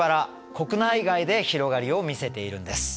国内外で広がりを見せているんです。